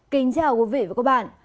kính chào quý vị và các bạn